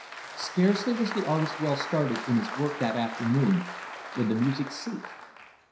Scarcely was the artist well started in his work, that afternoon, when the music ceased.